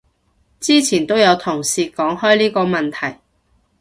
之前都有同事講開呢個問題